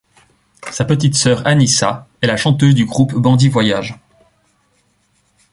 Sa petite sœur, Anissa, est la chanteuse du groupe Bandit Voyage.